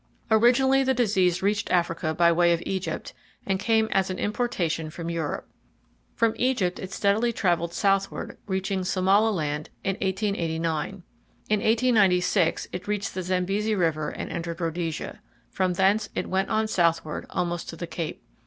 Originally, the disease reached Africa by way of Egypt, and came as an importation from Europe. From Egypt it steadily traveled southward, reaching Somaliland in 1889. In 1896 it reached the Zambesi River and entered Rhodesia. From thence it went on southward almost to the Cape.